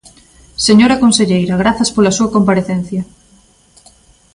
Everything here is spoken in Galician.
Señora conselleira, grazas pola súa comparecencia.